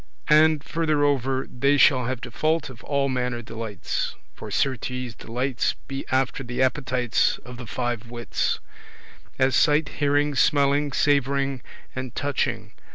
And furtherover, they shall have default of all manner delights; for certes delights be after the appetites of the five wits [senses]; as sight, hearing, smelling, savouring [tasting], and touching.